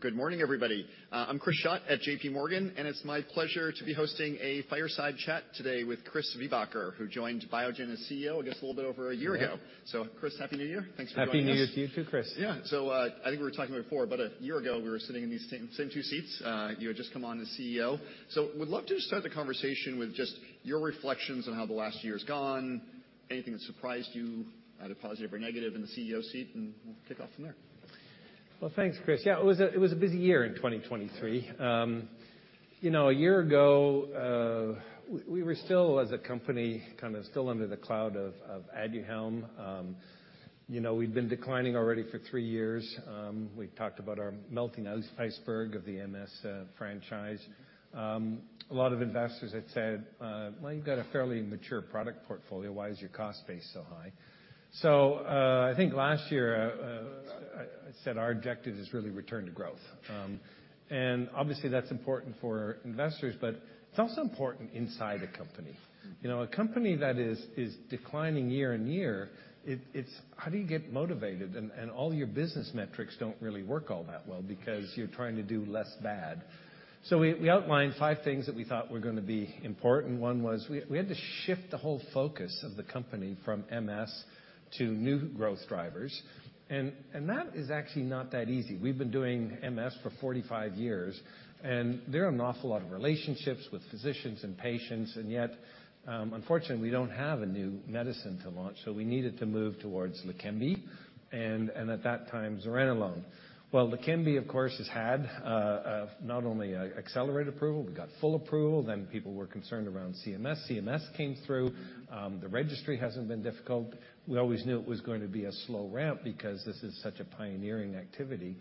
Good morning, everybody. I'm Chris Schott at JPMorgan, and it's my pleasure to be hosting a fireside chat today with Chris Viehbacher, who joined Biogen as CEO, I guess, a little bit over a year ago. Yeah. Chris, Happy New Year. Thanks for joining us. Happy New Year to you, too, Chris. Yeah. So, I think we were talking before, about a year ago, we were sitting in these same, same two seats. You had just come on as CEO. So would love to just start the conversation with just your reflections on how the last year's gone, anything that surprised you, either positive or negative, in the CEO seat, and we'll kick off from there. Well, thanks, Chris. Yeah, it was a busy year in 2023. You know, a year ago, we were still as a company, kind of still under the cloud of Aduhelm. You know, we'd been declining already for 3 years. We've talked about our melting ice iceberg of the MS franchise. A lot of investors had said, "Well, you've got a fairly mature product portfolio. Why is your cost base so high?" So, I think last year, I said our objective is really return to growth. And obviously, that's important for investors, but it's also important inside the company. Mm-hmm. You know, a company that is declining year-on-year. It's how do you get motivated? And all your business metrics don't really work all that well because you're trying to do less bad. So we outlined five things that we thought were gonna be important. One was we had to shift the whole focus of the company from MS to new growth drivers, and that is actually not that easy. We've been doing MS for 45 years, and there are an awful lot of relationships with physicians and patients, and yet, unfortunately, we don't have a new medicine to launch, so we needed to move towards Leqembi, and at that time, zuranolone. Well, Leqembi, of course, has had not only an accelerated approval, we got full approval, then people were concerned around CMS. CMS came through. The registry hasn't been difficult. We always knew it was going to be a slow ramp because this is such a pioneering activity.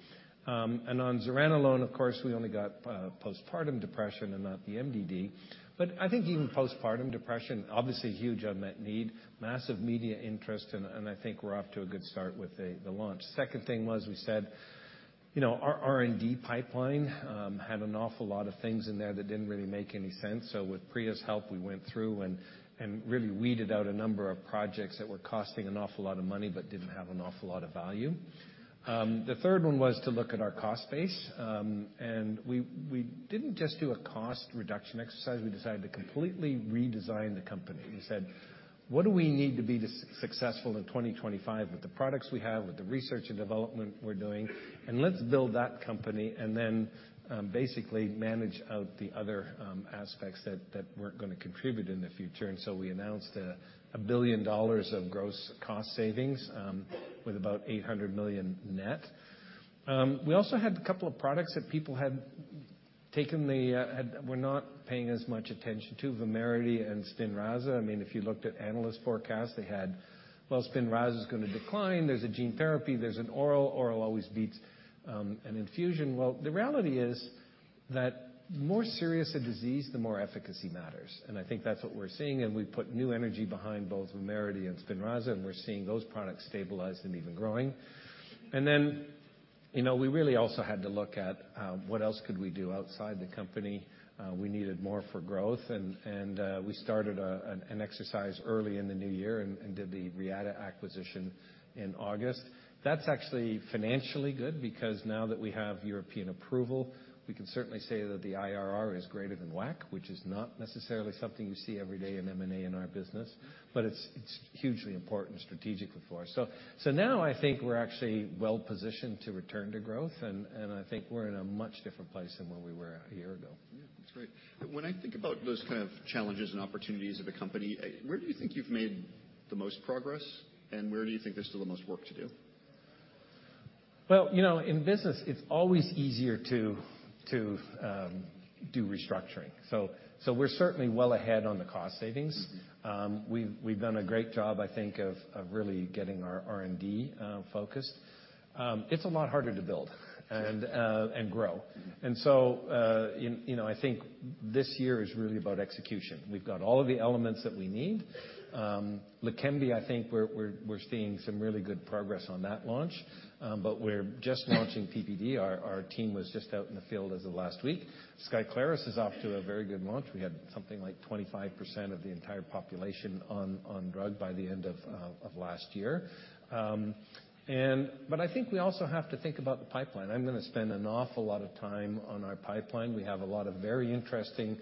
And on zuranolone, of course, we only got postpartum depression and not the MDD. But I think even postpartum depression, obviously, a huge unmet need, massive media interest, and I think we're off to a good start with the launch. Second thing was we said, you know, our R&D pipeline had an awful lot of things in there that didn't really make any sense. So with Priya's help, we went through and really weeded out a number of projects that were costing an awful lot of money but didn't have an awful lot of value. The third one was to look at our cost base, and we didn't just do a cost reduction exercise, we decided to completely redesign the company. We said: What do we need to be successful in 2025 with the products we have, with the research and development we're doing? And let's build that company, and then basically manage out the other aspects that weren't going to contribute in the future. And so we announced $1 billion of gross cost savings, with about $800 million net. We also had a couple of products that people were not paying as much attention to, Vumerity and Spinraza. I mean, if you looked at analyst forecasts, they had, "Well, Spinraza is gonna decline. There's a gene therapy, there's an oral. Oral always beats, an infusion." Well, the reality is that more serious a disease, the more efficacy matters, and I think that's what we're seeing, and we've put new energy behind both Vumerity and Spinraza, and we're seeing those products stabilize and even growing. And then, you know, we really also had to look at, what else could we do outside the company? We needed more for growth, and we started an exercise early in the new year and did the Reata acquisition in August. That's actually financially good because now that we have European approval, we can certainly say that the IRR is greater than WACC, which is not necessarily something you see every day in M&A in our business, but it's hugely important strategically for us. So now I think we're actually well positioned to return to growth, and I think we're in a much different place than where we were a year ago. Yeah, that's great. When I think about those kind of challenges and opportunities of the company, where do you think you've made the most progress, and where do you think there's still the most work to do? Well, you know, in business, it's always easier to do restructuring, so we're certainly well ahead on the cost savings. Mm-hmm. We've done a great job, I think, of really getting our R&D focused. It's a lot harder to build - Yeah... and, and grow. Mm-hmm. And so, you know, I think this year is really about execution. We've got all of the elements that we need. Leqembi, I think, we're seeing some really good progress on that launch, but we're just launching PPD. Our team was just out in the field as of last week. Skyclarys is off to a very good launch. We had something like 25% of the entire population on drug by the end of last year. But I think we also have to think about the pipeline. I'm gonna spend an awful lot of time on our pipeline. We have a lot of very interesting,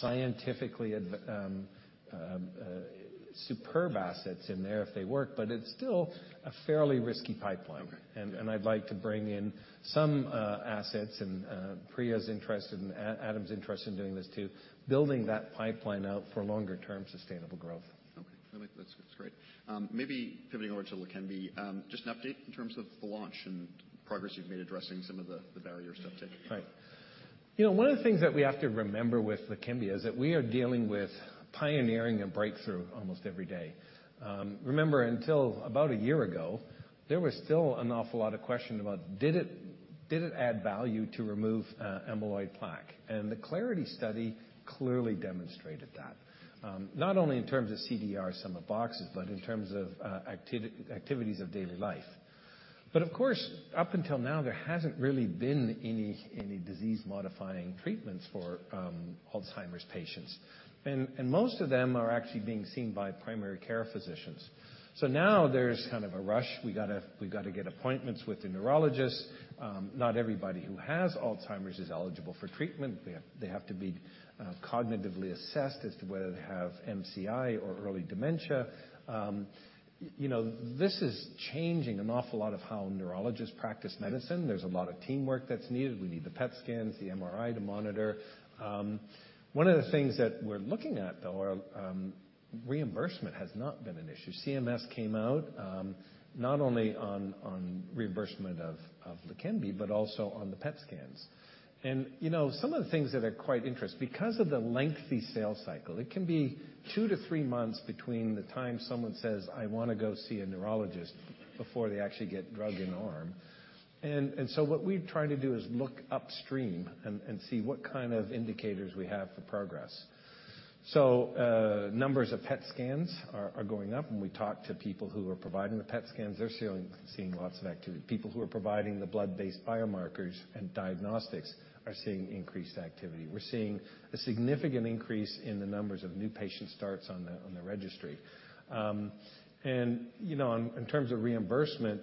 scientifically superb assets in there if they work, but it's still a fairly risky pipeline. Right. And I'd like to bring in some assets, and Priya's interested, and Adam's interested in doing this, too. Building that pipeline out for longer-term sustainable growth. Okay. I think that's, that's great. Maybe pivoting over to Leqembi, just an update in terms of the launch and progress you've made, addressing some of the, the barriers to uptake. Right. You know, one of the things that we have to remember with Leqembi is that we are dealing with pioneering a breakthrough almost every day. Remember, until about a year ago, there was still an awful lot of question about did it, did it add value to remove amyloid plaque? And the Clarity study clearly demonstrated that, not only in terms of CDR Sum of Boxes, but in terms of activities of daily life... But of course, up until now, there hasn't really been any disease-modifying treatments for Alzheimer's patients. And most of them are actually being seen by primary care physicians. So now there's kind of a rush. We gotta get appointments with the neurologists. Not everybody who has Alzheimer's is eligible for treatment. They have to be cognitively assessed as to whether they have MCI or early dementia. You know, this is changing an awful lot of how neurologists practice medicine. There's a lot of teamwork that's needed. We need the PET scans, the MRI to monitor. One of the things that we're looking at, though, are reimbursement has not been an issue. CMS came out, not only on reimbursement of Leqembi, but also on the PET scans. You know, some of the things that are quite interesting, because of the lengthy sales cycle, it can be 2-3 months between the time someone says, "I want to go see a neurologist," before they actually get drug in arm. And so what we've tried to do is look upstream and see what kind of indicators we have for progress. So, numbers of PET scans are going up, and we talk to people who are providing the PET scans. They're seeing lots of activity. People who are providing the blood-based biomarkers and diagnostics are seeing increased activity. We're seeing a significant increase in the numbers of new patient starts on the registry. And, you know, in terms of reimbursement,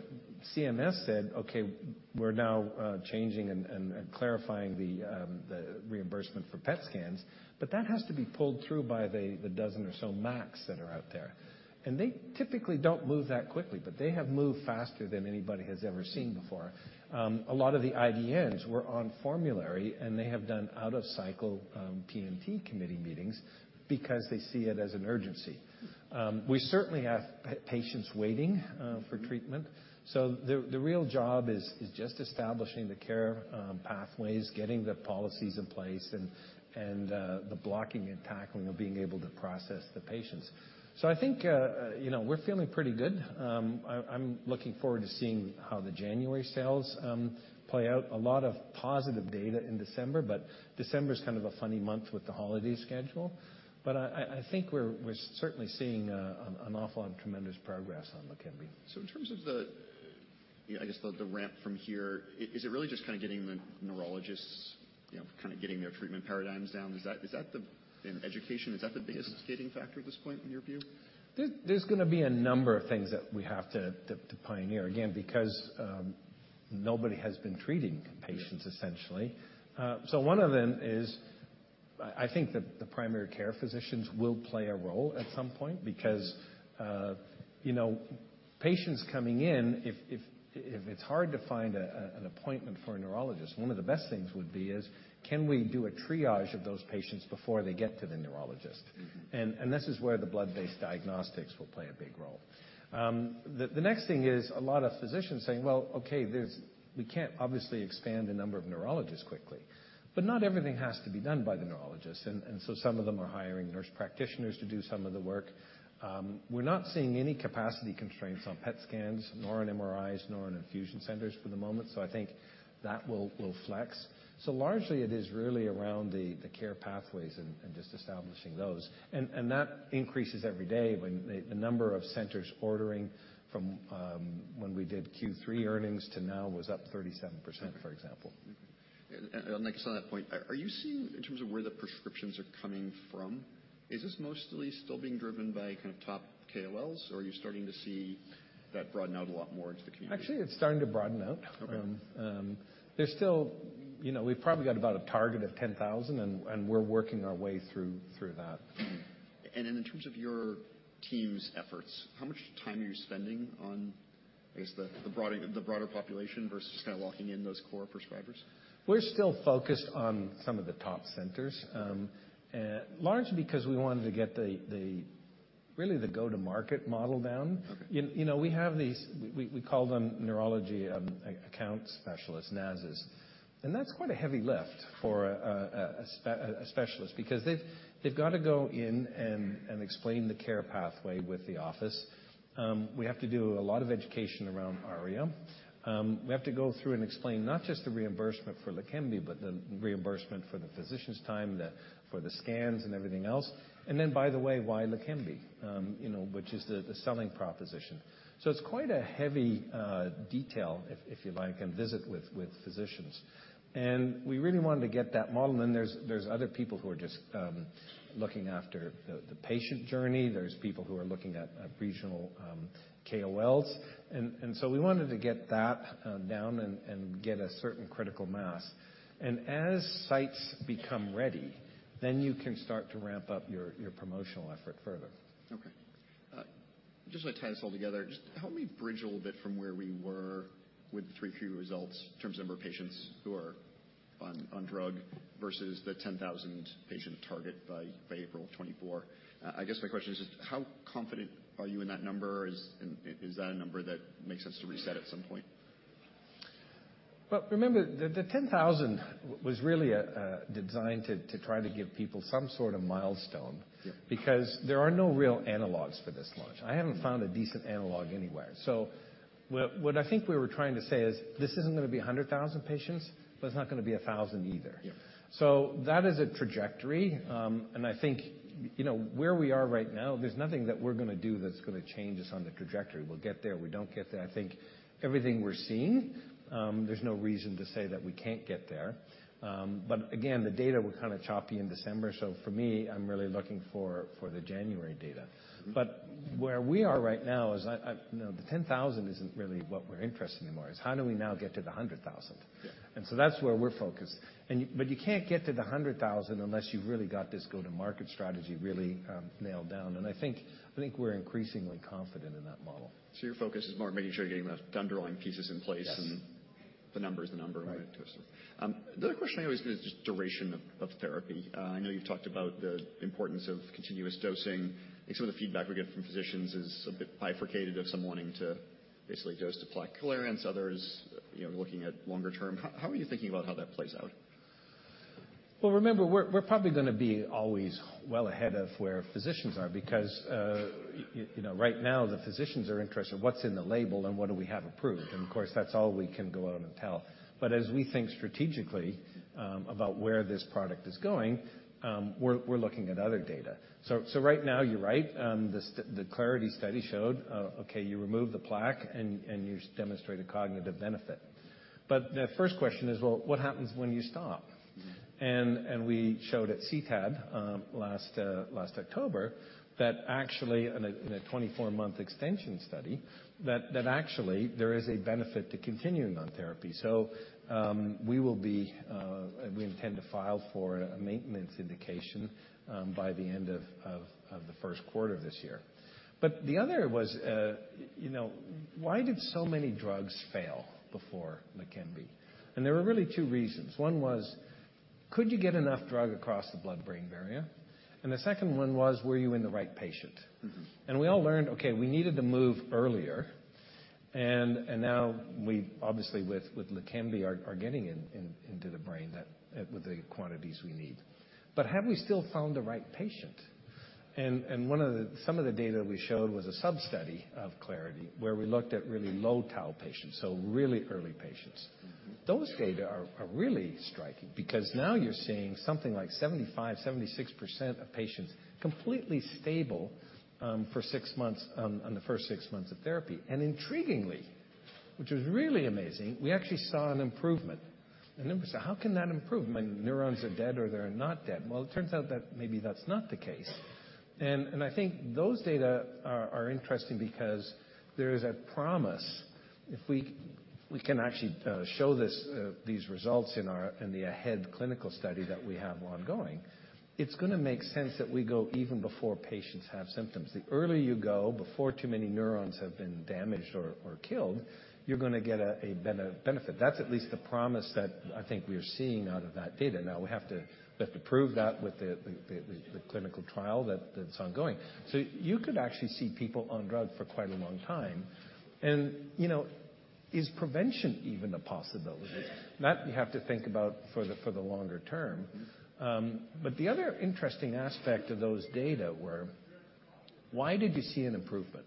CMS said, "Okay, we're now changing and clarifying the reimbursement for PET scans," but that has to be pulled through by the dozen or so max that are out there. And they typically don't move that quickly, but they have moved faster than anybody has ever seen before. A lot of the IDNs were on formulary, and they have done out-of-cycle P&T committee meetings because they see it as an urgency. We certainly have patients waiting for treatment. So the real job is just establishing the care pathways, getting the policies in place, and the blocking and tackling of being able to process the patients. So I think, you know, we're feeling pretty good. I'm looking forward to seeing how the January sales play out. A lot of positive data in December, but December is kind of a funny month with the holiday schedule. But I think we're certainly seeing an awful and tremendous progress on Leqembi. So in terms of the ramp from here, is it really just kind of getting the neurologists, you know, kind of getting their treatment paradigms down? Is that, is that the... In education, is that the biggest gating factor at this point in your view? There, there's gonna be a number of things that we have to to pioneer, again, because nobody has been treating patients essentially. So one of them is, I think that the primary care physicians will play a role at some point because, you know, patients coming in, if it's hard to find an appointment for a neurologist, one of the best things would be is, can we do a triage of those patients before they get to the neurologist? Mm-hmm. And this is where the blood-based diagnostics will play a big role. The next thing is a lot of physicians saying: Well, okay, there's—we can't obviously expand the number of neurologists quickly. But not everything has to be done by the neurologists, and so some of them are hiring nurse practitioners to do some of the work. We're not seeing any capacity constraints on PET scans, nor on MRIs, nor on infusion centers for the moment, so I think that will flex. So largely, it is really around the care pathways and just establishing those. And that increases every day when the number of centers ordering from when we did Q3 earnings to now was up 37%, for example. Mm-hmm. And just on that point, are you seeing, in terms of where the prescriptions are coming from, is this mostly still being driven by kind of top KOLs, or are you starting to see that broaden out a lot more into the community? Actually, it's starting to broaden out. Okay. There's still... You know, we've probably got about a target of 10,000, and we're working our way through that. Mm-hmm. And then in terms of your team's efforts, how much time are you spending on, I guess, the broader population versus kind of locking in those core prescribers? We're still focused on some of the top centers, largely because we wanted to get the really go-to-market model down. Okay. You know, we have these, we call them neurology account specialist, NASs, and that's quite a heavy lift for a specialist because they've got to go in and explain the care pathway with the office. We have to do a lot of education around ARIA. We have to go through and explain not just the reimbursement for Leqembi, but the reimbursement for the physician's time, for the scans and everything else. And then, by the way, why Leqembi? You know, which is the selling proposition. So it's quite a heavy detail, if you like, and visit with physicians. And we really wanted to get that model. Then there's other people who are just looking after the patient journey. There's people who are looking at regional KOLs. And so we wanted to get that down and get a certain critical mass. And as sites become ready, then you can start to ramp up your promotional effort further. Okay. Just to tie this all together, just help me bridge a little bit from where we were with the 3Q results in terms of number of patients who are on, on drug versus the 10,000 patient target by, by April of 2024. I guess my question is just: How confident are you in that number? Is... And is that a number that makes sense to reset at some point?... Well, remember, the 10,000 was really designed to try to give people some sort of milestone- Yeah. Because there are no real analogs for this launch. I haven't found a decent analog anywhere. So what, what I think we were trying to say is this isn't gonna be 100,000 patients, but it's not gonna be 1,000 either. Yeah. So that is a trajectory. And I think, you know, where we are right now, there's nothing that we're gonna do that's gonna change us on the trajectory. We'll get there. We don't get there. I think everything we're seeing, there's no reason to say that we can't get there. But again, the data were kind of choppy in December. So for me, I'm really looking for, for the January data. Mm-hmm. But where we are right now is, you know, the 10,000 isn't really what we're interested in anymore. It's how do we now get to the 100,000? Yeah. So that's where we're focused. But you can't get to 100,000 unless you've really got this go-to-market strategy really nailed down. I think, I think we're increasingly confident in that model. Your focus is more on making sure you're getting the underlying pieces in place. Yes. And the number is the number, right? Yes. The other question I always is just duration of therapy. I know you've talked about the importance of continuous dosing. I think some of the feedback we get from physicians is a bit bifurcated, of some wanting to basically dose to plaque clearance, others, you know, looking at longer term. How are you thinking about how that plays out? Well, remember, we're probably gonna be always well ahead of where physicians are because you know, right now, the physicians are interested in what's in the label and what do we have approved. And of course, that's all we can go out and tell. But as we think strategically about where this product is going, we're looking at other data. So right now, you're right. The Clarity study showed, okay, you remove the plaque, and you demonstrate a cognitive benefit. But the first question is, well, what happens when you stop? Mm-hmm. And we showed at CTAD last October that actually in a 24-month extension study that actually there is a benefit to continuing on therapy. So we will be... We intend to file for a maintenance indication by the end of the first quarter of this year. But the other was, you know, why did so many drugs fail before Leqembi? And there were really two reasons. One was, could you get enough drug across the blood-brain barrier? And the second one was, were you in the right patient? Mm-hmm. We all learned, okay, we needed to move earlier. And now we obviously, with Leqembi, are getting into the brain with the quantities we need. But have we still found the right patient? Mm-hmm. Some of the data we showed was a sub-study of Clarity, where we looked at really low Tau patients, so really early patients. Mm-hmm. Those data are really striking because now you're seeing something like 75% to 76% of patients completely stable for six months, on the first six months of therapy. And intriguingly, which was really amazing, we actually saw an improvement. And then we say: How can that improve? I mean, neurons are dead, or they're not dead. Well, it turns out that maybe that's not the case. And I think those data are interesting because there is a promise. If we can actually show this, these results in our AHEAD clinical study that we have ongoing, it's gonna make sense that we go even before patients have symptoms. The earlier you go, before too many neurons have been damaged or killed, you're gonna get a benefit. That's at least the promise that I think we are seeing out of that data. Now, we have to prove that with the clinical trial that's ongoing. So you could actually see people on drug for quite a long time. And, you know, is prevention even a possibility? Yes. That we have to think about for the longer term. Mm-hmm. But the other interesting aspect of those data were, why did you see an improvement?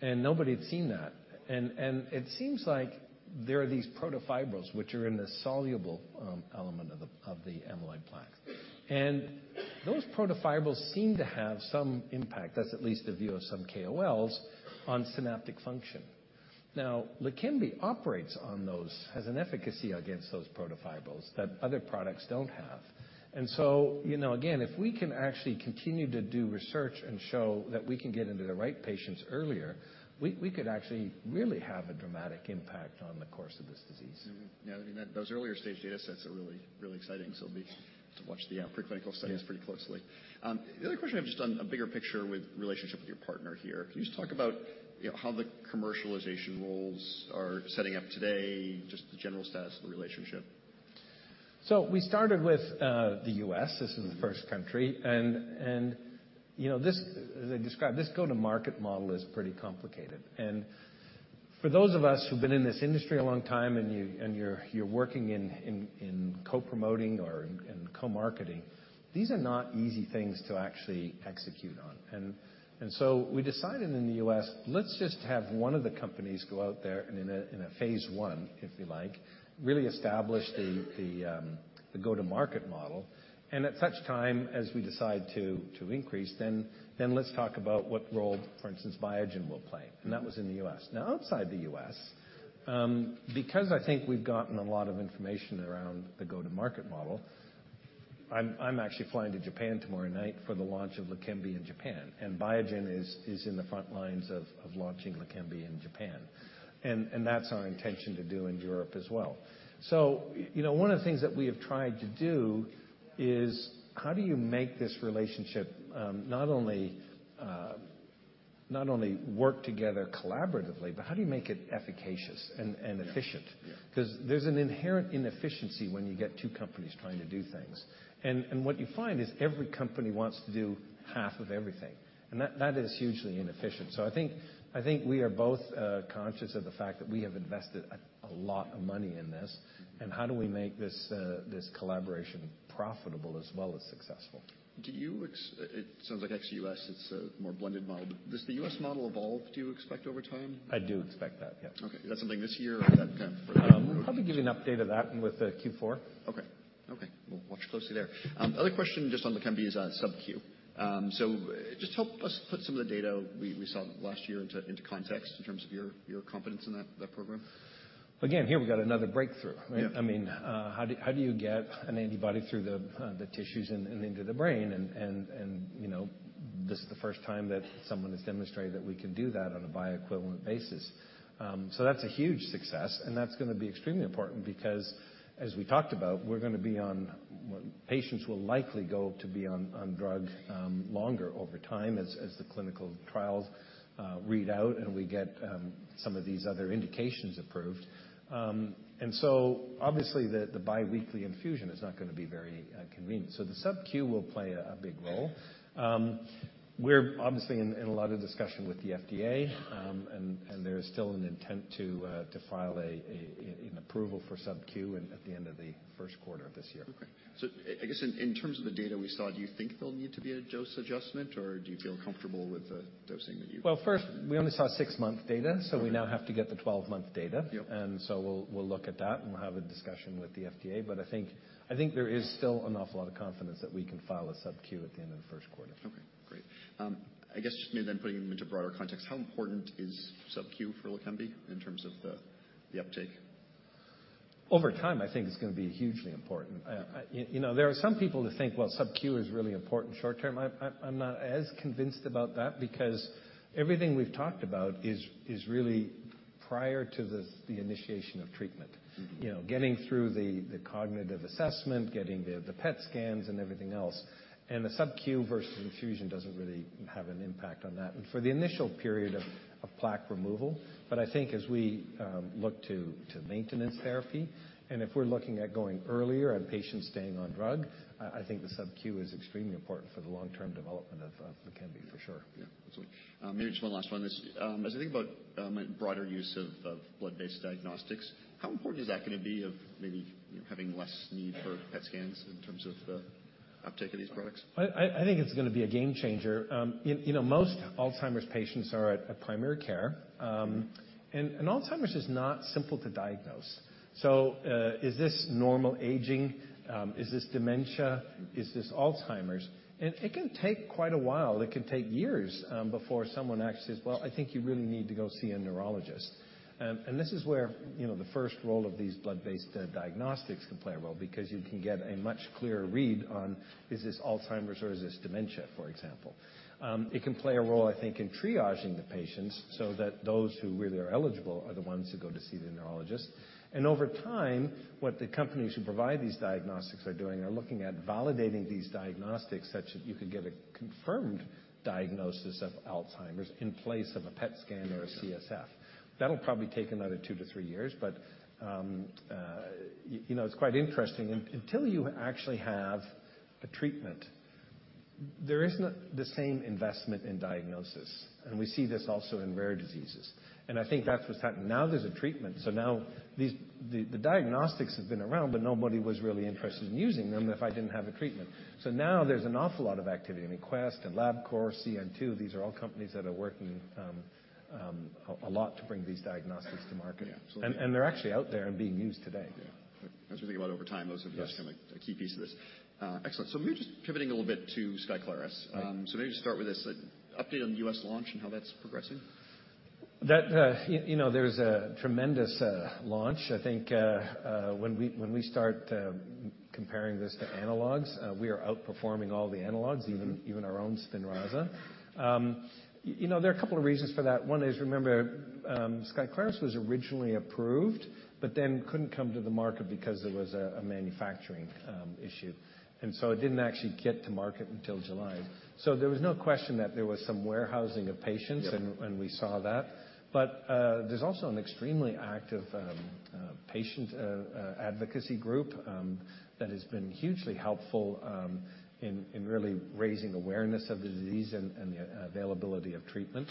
And nobody had seen that. And it seems like there are these protofibrils, which are in the soluble element of the amyloid plaque. And those protofibrils seem to have some impact, that's at least the view of some KOLs, on synaptic function. Now, Leqembi operates on those, has an efficacy against those protofibrils that other products don't have. And so, you know, again, if we can actually continue to do research and show that we can get into the right patients earlier, we could actually really have a dramatic impact on the course of this disease. Mm-hmm. Now, those earlier-stage data sets are really, really exciting. So it'll be- Yeah to watch the preclinical studies Yeah - pretty closely. The other question I have just on a bigger picture with relationship with your partner here. Can you just talk about, you know, how the commercialization roles are setting up today, just the general status of the relationship? So we started with the U.S. Mm-hmm. This is the first country, you know, this, as I described, this go-to-market model is pretty complicated. For those of us who've been in this industry a long time, and you, you're working in co-promoting or in co-marketing, these are not easy things to actually execute on. So we decided in the U.S., let's just have one of the companies go out there and in a phase one, if you like, really establish the go-to-market model. And at such time as we decide to increase, then let's talk about what role, for instance, Biogen will play. Mm-hmm. That was in the U.S. Now, outside the U.S., because I think we've gotten a lot of information around the go-to-market model, I'm actually flying to Japan tomorrow night for the launch of Leqembi in Japan, and Biogen is in the front lines of launching Leqembi in Japan. And that's our intention to do in Europe as well. So, you know, one of the things that we have tried to do is: How do you make this relationship not only work together collaboratively, but how do you make it efficacious and efficient? Yeah. 'Cause there's an inherent inefficiency when you get two companies trying to do things. And, and what you find is every company wants to do half of everything, and that, that is hugely inefficient. So I think, I think we are both conscious of the fact that we have invested a lot of money in this, and how do we make this collaboration profitable as well as successful? It sounds like ex-U.S., it's a more blended model. Does the U.S. model evolve, do you expect over time? I do expect that, yes. Okay. Is that something this year or that kind of further out? We'll probably give you an update of that with Q4. Okay. Okay, we'll watch closely there. Other question just on Leqembi's sub-Q. So just help us put some of the data we saw last year into context in terms of your confidence in that program. Again, here we've got another breakthrough. Yeah. I mean, how do you get an antibody through the tissues and, you know, this is the first time that someone has demonstrated that we can do that on a bioequivalent basis. So that's a huge success, and that's gonna be extremely important because, as we talked about, we're gonna be on... Patients will likely go to be on drug longer over time as the clinical trials read out, and we get some of these other indications approved. And so obviously, the biweekly infusion is not gonna be very convenient, so the sub-Q will play a big role. We're obviously in a lot of discussion with the FDA, and there is still an intent to file an approval for sub-Q at the end of the first quarter of this year. Okay. So I guess in terms of the data we saw, do you think there'll need to be a dose adjustment, or do you feel comfortable with the dosing that you- Well, first, we only saw 6-month data, so we now have to get the 12-month data. Yep. And so we'll look at that, and we'll have a discussion with the FDA, but I think there is still an awful lot of confidence that we can file a sub-Q at the end of the first quarter. Okay, great. I guess just maybe then putting them into broader context, how important is sub-Q for Leqembi in terms of the uptake? Over time, I think it's gonna be hugely important. I... You know, there are some people that think, well, sub-Q is really important short term. I, I'm not as convinced about that because everything we've talked about is really prior to this, the initiation of treatment. Mm-hmm. You know, getting through the, the cognitive assessment, getting the, the PET scans and everything else, and the sub-Q versus infusion doesn't really have an impact on that. And for the initial period of, of plaque removal, but I think as we look to, to maintenance therapy, and if we're looking at going earlier and patients staying on drug, I think the sub-Q is extremely important for the long-term development of, of Leqembi, for sure. Yeah. Absolutely. Maybe just one last one on this. As I think about, broader use of blood-based diagnostics, how important is that gonna be of maybe, you know, having less need for PET scans in terms of the uptake of these products? I think it's gonna be a game changer. You know, most Alzheimer's patients are at primary care. Mm-hmm. Alzheimer's is not simple to diagnose. So, is this normal aging? Is this dementia? Is this Alzheimer's? And it can take quite a while, it can take years, before someone actually says, "Well, I think you really need to go see a neurologist." And this is where, you know, the first role of these blood-based diagnostics can play a role because you can get a much clearer read on, is this Alzheimer's or is this dementia, for example? It can play a role, I think, in triaging the patients so that those who really are eligible are the ones who go to see the neurologist. Over time, what the companies who provide these diagnostics are doing are looking at validating these diagnostics such that you could get a confirmed diagnosis of Alzheimer's in place of a PET scan or a CSF. That'll probably take another 2-3 years, but, you know, it's quite interesting. Until you actually have a treatment, there is not the same investment in diagnosis, and we see this also in rare diseases. And I think that's what's happened. Now, there's a treatment, so now the diagnostics have been around, but nobody was really interested in using them if I didn't have a treatment. So now there's an awful lot of activity. I mean, Quest and LabCorp, C2N, these are all companies that are working a lot to bring these diagnostics to market. Yeah, absolutely. And they're actually out there and being used today. Yeah. As we think about over time, those are- Yes Kind of a key piece of this. Excellent. So maybe just pivoting a little bit to Skyclarys. Right. So maybe just start with this, update on the U.S. launch and how that's progressing. That, you know, there's a tremendous launch. I think, when we start comparing this to analogs, we are outperforming all the analogs. Mm-hmm... even our own Spinraza. You know, there are a couple of reasons for that. One is, remember, Skyclarys was originally approved, but then couldn't come to the market because there was a manufacturing issue, and so it didn't actually get to market until July. So there was no question that there was some warehousing of patients- Yep We saw that. But there's also an extremely active patient advocacy group that has been hugely helpful in really raising awareness of the disease and the availability of treatment.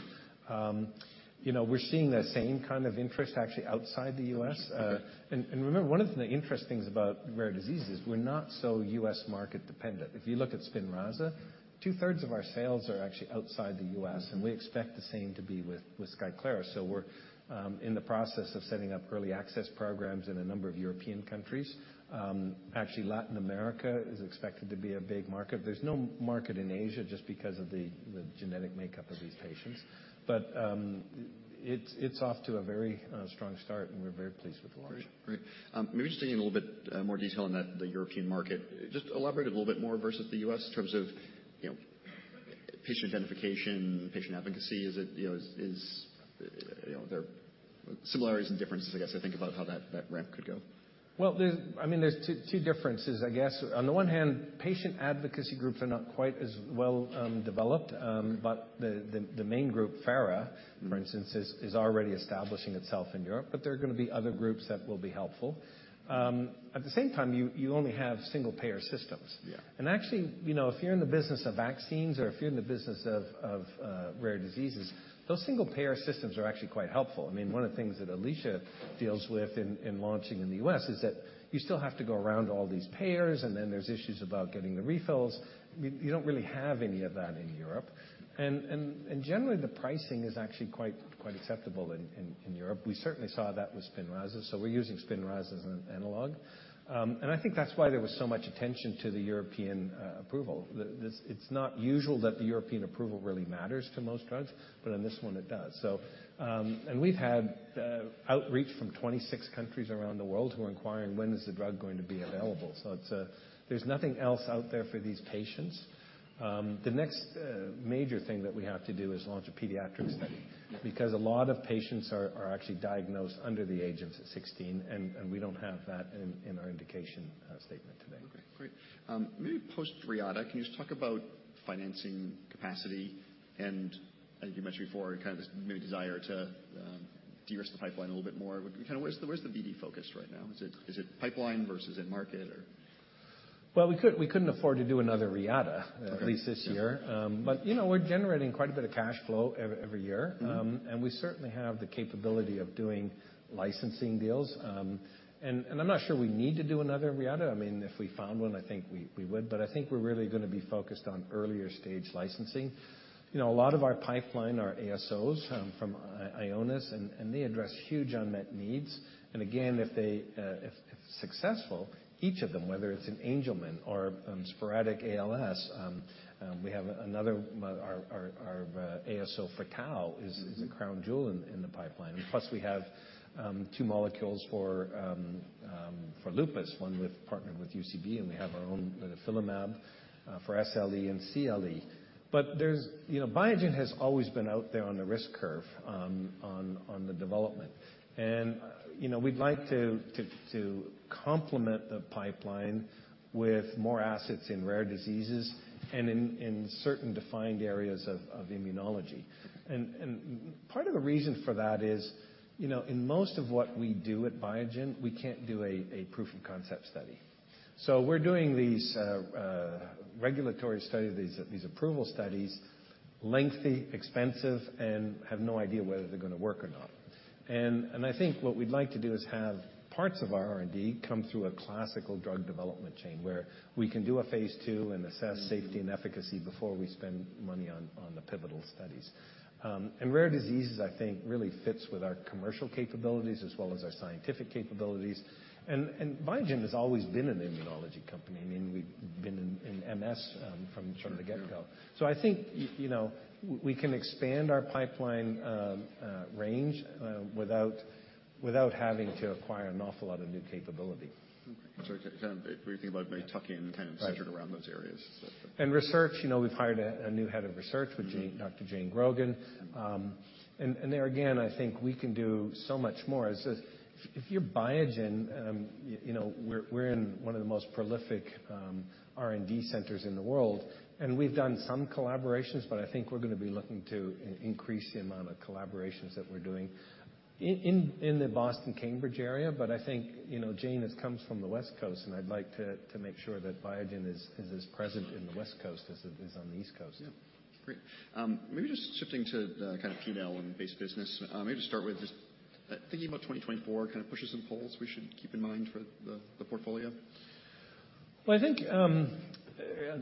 You know, we're seeing the same kind of interest actually outside the U.S. Okay. remember, one of the interesting things about rare diseases, we're not so U.S. market dependent. If you look at Spinraza, two-thirds of our sales are actually outside the U.S.- Mm-hmm... and we expect the same to be with Skyclarys. So we're in the process of setting up early access programs in a number of European countries. Actually, Latin America is expected to be a big market. There's no market in Asia just because of the genetic makeup of these patients. But it's off to a very strong start, and we're very pleased with the launch. Great. Great. Maybe just getting a little bit more detail on that, the European market. Just elaborate a little bit more versus the U.S. in terms of, you know, patient identification, patient advocacy. Is it, you know, are there similarities and differences, I guess, to think about how that ramp could go? Well, there's, I mean, there's two differences, I guess. On the one hand, patient advocacy groups are not quite as well developed, but the main group, FARA, for instance, is already establishing itself in Europe, but there are gonna be other groups that will be helpful. At the same time, you only have single-payer systems. Yeah. Actually, you know, if you're in the business of vaccines, or if you're in the business of rare diseases, those single-payer systems are actually quite helpful. I mean, one of the things that Alisha deals with in launching in the U.S. is that you still have to go around all these payers, and then there's issues about getting the refills. You don't really have any of that in Europe. And generally, the pricing is actually quite acceptable in Europe. We certainly saw that with Spinraza, so we're using Spinraza as an analog. And I think that's why there was so much attention to the European approval. This, it's not usual that the European approval really matters to most drugs, but on this one, it does. So, and we've had outreach from 26 countries around the world who are inquiring, "When is the drug going to be available?" So it's. There's nothing else out there for these patients. The next major thing that we have to do is launch a pediatric study. Yeah. Because a lot of patients are actually diagnosed under the age of sixteen, and we don't have that in our indication statement today. Okay, great. Maybe post-Reata, can you just talk about financing capacity? And I think you mentioned before, kind of this maybe desire to de-risk the pipeline a little bit more. Kind of where's the BD focus right now? Is it pipeline, versus in market, or...? Well, we could—we couldn't afford to do another Reata- Okay - at least this year. But, you know, we're generating quite a bit of cash flow every year. Mm-hmm. And we certainly have the capability of doing licensing deals. And I'm not sure we need to do another Reata. I mean, if we found one, I think we would, but I think we're really gonna be focused on earlier-stage licensing. You know, a lot of our pipeline are ASOs from Ionis, and they address huge unmet needs. And again, if they, if successful, each of them, whether it's in Angelman or sporadic ALS, we have another, our ASO for tau is- Mm-hmm... is a crown jewel in the pipeline. Plus, we have two molecules for lupus, one partnered with UCB, and we have our own litifilimab for SLE and CLE. But there's... You know, Biogen has always been out there on the risk curve on the development. And, you know, we'd like to complement the pipeline with more assets in rare diseases and in certain defined areas of immunology. And part of the reason for that is, you know, in most of what we do at Biogen, we can't do a proof of concept study. So we're doing these regulatory study, these approval studies, lengthy, expensive, and have no idea whether they're gonna work or not. I think what we'd like to do is have parts of our R&D come through a classical drug development chain, where we can do a phase 2 and assess safety and efficacy before we spend money on the pivotal studies. Rare diseases, I think, really fits with our commercial capabilities as well as our scientific capabilities. Biogen has always been an immunology company. I mean, we've been in MS from the get-go. Sure. I think, you know, we can expand our pipeline range without having to acquire an awful lot of new capability. Okay. Kind of, when you think about Maytalkin- Yeah. Kind of centered around those areas. Research, you know, we've hired a new head of research- Mm-hmm... Dr. Jane Grogan. And there again, I think we can do so much more. As if you're Biogen, you know, we're in one of the most prolific R&D centers in the world, and we've done some collaborations, but I think we're gonna be looking to increase the amount of collaborations that we're doing in the Boston, Cambridge area. But I think, you know, Jane comes from the West Coast, and I'd like to make sure that Biogen is as present in the West Coast as it is on the East Coast. Yeah. Great. Maybe just shifting to the kind of P&L and base business. Maybe just start with just thinking about 2024, kind of pushes and pulls we should keep in mind for the, the portfolio. Well, I think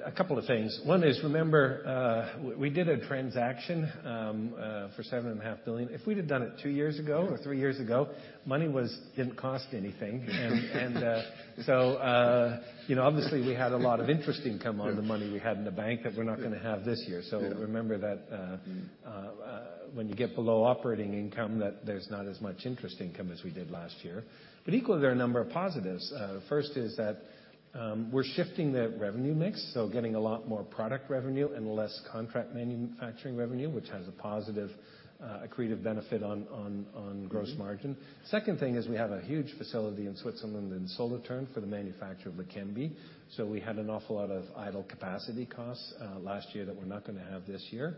a couple of things. One is, remember, we did a transaction for $7.5 billion. If we'd have done it two years ago or three years ago, money was-- didn't cost anything. You know, obviously, we had a lot of interest income on the money- Yeah we had in the bank that we're not gonna have this year. Yeah. So remember that, when you get below operating income, that there's not as much interest income as we did last year. But equally, there are a number of positives. First is that, we're shifting the revenue mix, so getting a lot more product revenue and less contract manufacturing revenue, which has a positive, accretive benefit on gross margin. Mm-hmm. Second thing is we have a huge facility in Switzerland, in Solothurn, for the manufacture of Leqembi, so we had an awful lot of idle capacity costs last year that we're not gonna have this year.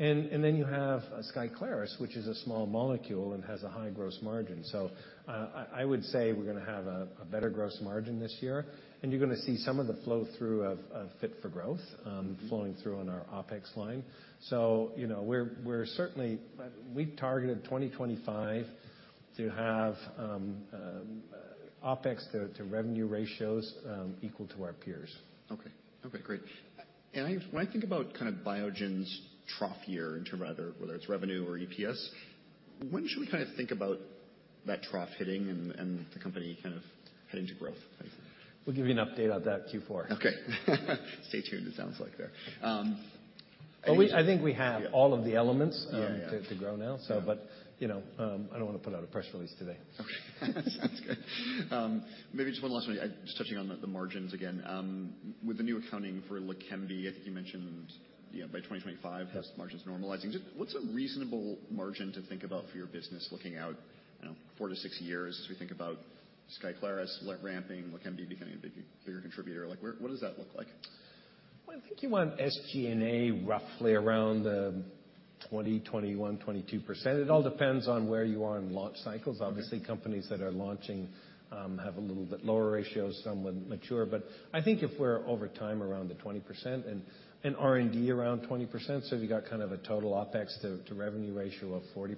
Mm-hmm. Then you have Skyclarys, which is a small molecule and has a high gross margin. So, I would say we're gonna have a better gross margin this year, and you're gonna see some of the flow-through of Fit for Growth. Mm-hmm... flowing through on our OpEx line. So, you know, we're certainly. We've targeted 2025 to have OpEx to revenue ratios equal to our peers. Okay. Okay, great. When I think about kind of Biogen's trough year in terms of whether it's revenue or EPS, when should we kind of think about that trough hitting and the company kind of heading to growth, do you think? We'll give you an update on that Q4. Okay. Stay tuned, it sounds like there.... Well, we, I think we have all of the elements- Yeah. to grow now. Yeah. But, you know, I don't want to put out a press release today. Okay, sounds good. Maybe just one last one. Just touching on the margins again. With the new accounting for Leqembi, I think you mentioned, you know, by 2025, has the margins normalizing. Just what's a reasonable margin to think about for your business looking out, you know, 4-6 years as we think about Skyclarys ramping, Leqembi becoming a big, bigger contributor? Like, where, what does that look like? Well, I think you want SG&A roughly around 20%-22%. It all depends on where you are in launch cycles. Okay. Obviously, companies that are launching have a little bit lower ratios, some when mature. But I think if we're over time around the 20% and R&D around 20%, so you got kind of a total OpEx to revenue ratio of 40%.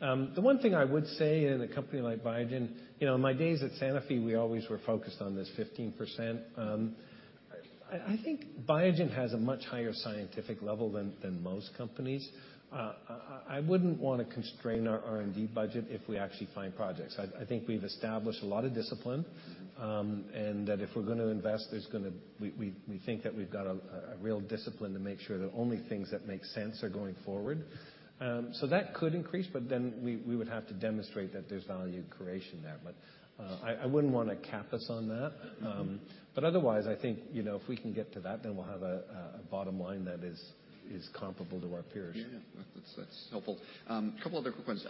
Mm-hmm. The one thing I would say in a company like Biogen, you know, in my days at Sanofi, we always were focused on this 15%. I think Biogen has a much higher scientific level than most companies. I wouldn't want to constrain our R&D budget if we actually find projects. I think we've established a lot of discipline- Mm-hmm. and that if we're going to invest, there's gonna. We think that we've got a real discipline to make sure that only things that make sense are going forward. So that could increase, but then we would have to demonstrate that there's value creation there. But I wouldn't want to cap us on that. Mm-hmm. Otherwise, I think, you know, if we can get to that, then we'll have a bottom line that is comparable to our peers. Yeah, yeah. That's, that's helpful. A couple other quick ones.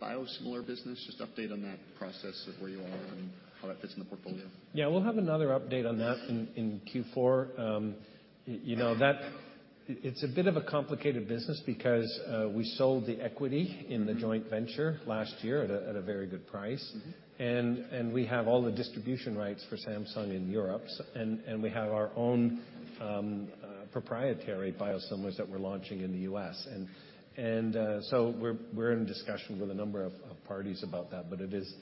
Biosimilar business, just update on that process of where you are and how that fits in the portfolio? Yeah, we'll have another update on that in Q4. You know, that. It's a bit of a complicated business because we sold the equity- Mm-hmm. in the joint venture last year at a very good price. Mm-hmm. We have all the distribution rights for Samsung in Europe, and we have our own proprietary biosimilars that we're launching in the U.S. We're in discussion with a number of parties about that, but it is...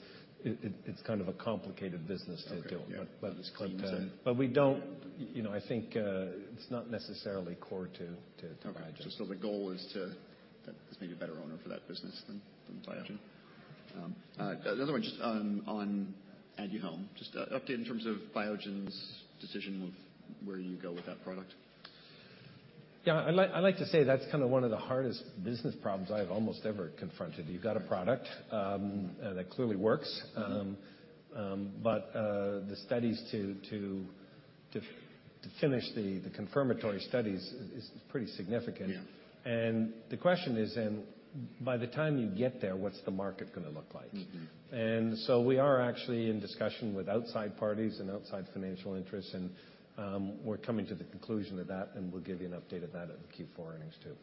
It, it's kind of a complicated business to deal with. Okay. Yeah. But we don't... You know, I think, it's not necessarily core to Biogen. Okay. So the goal is to, there's maybe a better owner for that business than Biogen. Another one just on Aduhelm. Just update in terms of Biogen's decision of where you go with that product. Yeah, I'd like, I'd like to say that's kind of one of the hardest business problems I've almost ever confronted. Mm-hmm. You've got a product that clearly works. Mm-hmm. But the studies to finish the confirmatory studies is pretty significant. Yeah. The question is, and by the time you get there, what's the market gonna look like? Mm-hmm. And so we are actually in discussion with outside parties and outside financial interests, and we're coming to the conclusion of that, and we'll give you an update of that at the Q4 earnings, too.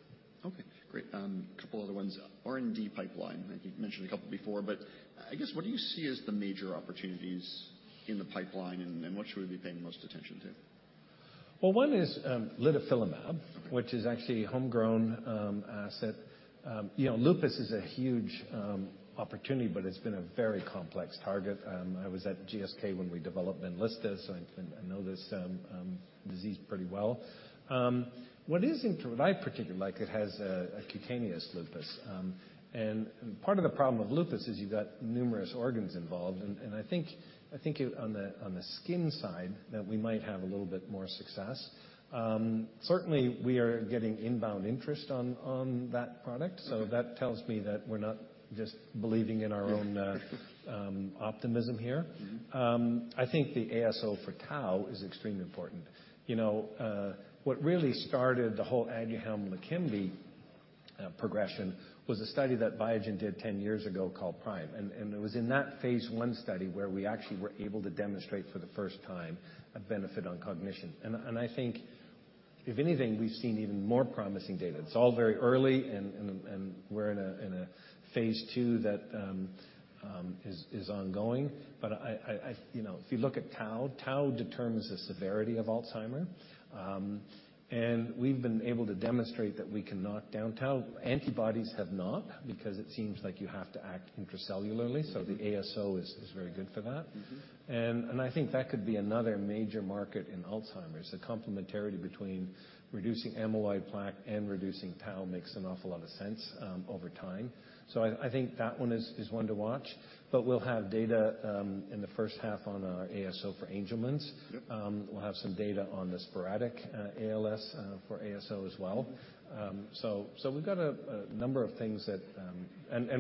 Okay, great. A couple other ones. R&D pipeline, I think you've mentioned a couple before, but I guess, what do you see as the major opportunities in the pipeline, and, and what should we be paying the most attention to? Well, one is, litifilimab- Okay. -which is actually a homegrown asset. You know, lupus is a huge opportunity, but it's been a very complex target. I was at GSK when we developed Benlysta, so I know this disease pretty well. What is interesting, what I particularly like, it has a cutaneous lupus. And part of the problem with lupus is you've got numerous organs involved, and I think on the skin side, that we might have a little bit more success. Certainly, we are getting inbound interest on that product. Mm-hmm. So that tells me that we're not just believing in our own optimism here. Mm-hmm. I think the ASO for tau is extremely important. You know, what really started the whole Aduhelm-Leqembi progression was a study that Biogen did 10 years ago called PRIME. It was in that phase 1 study where we actually were able to demonstrate for the first time a benefit on cognition. I think if anything, we've seen even more promising data. Mm-hmm. It's all very early, and we're in a phase 2 that is ongoing. But you know, if you look at Tau, Tau determines the severity of Alzheimer's. And we've been able to demonstrate that we can knock down Tau. Antibodies have not, because it seems like you have to act intracellularly- Mm-hmm. So the ASO is very good for that. Mm-hmm. And I think that could be another major market in Alzheimer's. The complementarity between reducing amyloid plaque and reducing tau makes an awful lot of sense over time. So I think that one is one to watch. But we'll have data in the first half on our ASO for Angelman's. Yep. We'll have some data on the sporadic ALS for ASO as well. We've got a number of things that.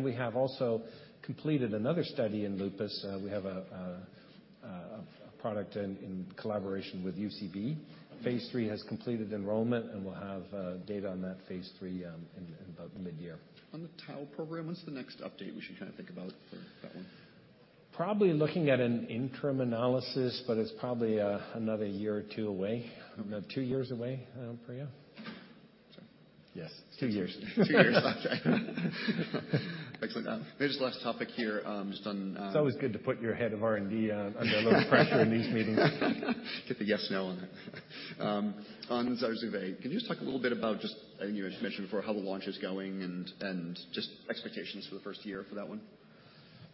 We have also completed another study in lupus. We have a product in collaboration with UCB. Mm-hmm. phase III has completed enrollment, and we'll have data on that phase III in about midyear. On the Tau program, what's the next update we should kind of think about for that one? Probably looking at an interim analysis, but it's probably another year or two away. Okay. About two years away, Priya? Yes, two years. Two years. Okay. Excellent. Maybe just last topic here, just on- It's always good to put your head of R&D under a little pressure in these meetings. Get the yes/no on it. On Zurzuvae, can you just talk a little bit about just, I think you had mentioned before, how the launch is going and, and just expectations for the first year for that one?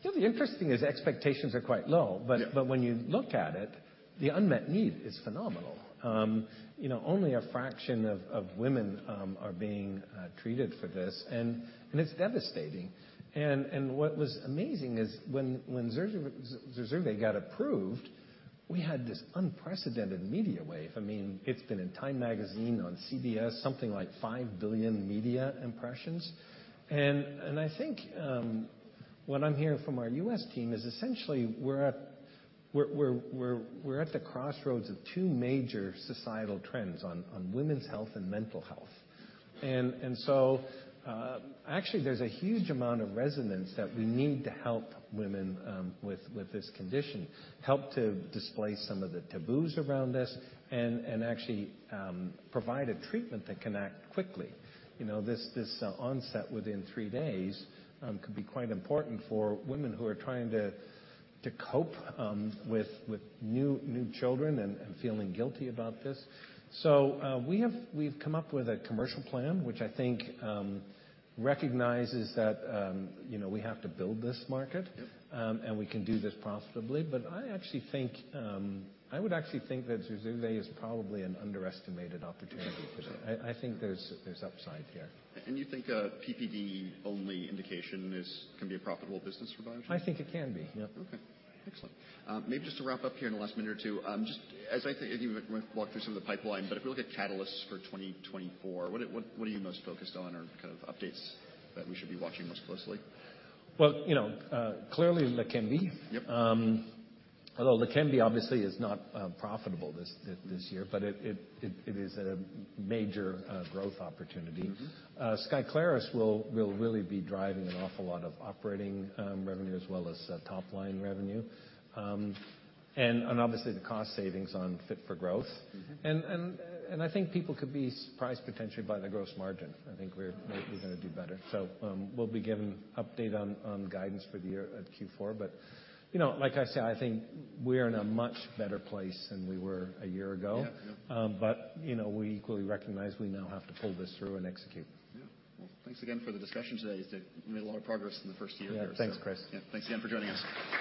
Yeah, the interesting is expectations are quite low. Yeah. But when you look at it, the unmet need is phenomenal. You know, only a fraction of women are being treated for this, and it's devastating. And what was amazing is when Zurzuvae, Zurzuvae got approved. We had this unprecedented media wave. I mean, it's been in Time Magazine, on CBS, something like 5 billion media impressions. And I think what I'm hearing from our U.S. team is essentially, we're at the crossroads of two major societal trends on women's health and mental health. And so, actually, there's a huge amount of resonance that we need to help women with this condition, help to displace some of the taboos around this, and actually provide a treatment that can act quickly. You know, this onset within three days could be quite important for women who are trying to cope with new children and feeling guilty about this. So, we've come up with a commercial plan, which I think recognizes that, you know, we have to build this market. Yep. We can do this profitably. But I actually think, I would actually think that Zurzuvae is probably an underestimated opportunity. I think there's upside here. You think a PPD-only indication is, can be a profitable business for Biogen? I think it can be, yep. Okay, excellent. Maybe just to wrap up here in the last minute or two, just as I think, as you walk through some of the pipeline, but if we look at catalysts for 2024, what are, what are you most focused on or kind of updates that we should be watching most closely? Well, you know, clearly Leqembi. Yep. Although Leqembi obviously is not profitable this year, but it is a major growth opportunity. Mm-hmm. Skyclarys will really be driving an awful lot of operating revenue, as well as top-line revenue. Obviously, the cost savings on Fit for Growth. Mm-hmm. I think people could be surprised, potentially, by the gross margin. I think we're gonna do better. So, we'll be giving update on guidance for the year at Q4. But, you know, like I say, I think we're in a much better place than we were a year ago. Yeah. But, you know, we equally recognize we now have to pull this through and execute. Yeah. Well, thanks again for the discussion today. You made a lot of progress in the first year. Yeah. Thanks, Chris. Yeah. Thanks again for joining us.